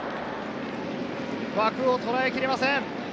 枠をとらえきれません。